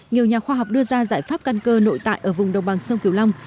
nhiều nhà khoa học đưa ra giải pháp căn cơ nội tại ở vùng đồng bằng sông kiều long